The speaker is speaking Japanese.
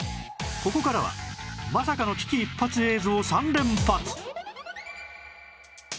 ここからはまさかの危機一髪映像３連発